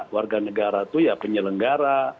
warga negara itu ya penyelenggara